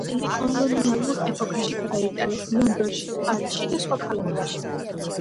მათი ნაწილი კოლონიალურ ეპოქაში გაიტანეს ლონდონში, პარიზში და სხვა ქალაქებში.